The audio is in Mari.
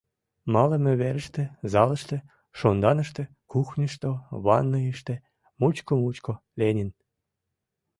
Малыме верыште, залыште, шонданыште, кухньышто, ванныйыште — мучко-мучко Ленин.